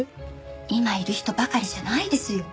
今いる人ばかりじゃないですよ。